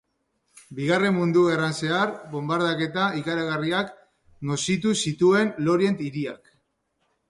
Bigarren Mundu Gerran zehar bonbardaketa ikaragarriak nozitu zituen Lorient hiriak.